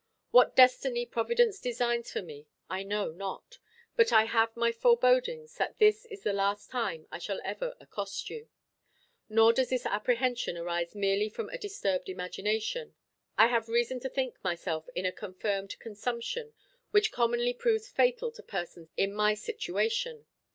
What destiny Providence designs for me I know not, but I have my forebodings that this is the last time I shall ever accost you. Nor does this apprehension arise merely from a disturbed imagination. I have reason to think myself in a confirmed consumption, which commonly proves fatal to persons in my situation.